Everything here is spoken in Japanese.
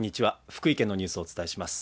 福井県のニュースをお伝えします。